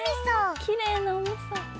きれいなおみそ。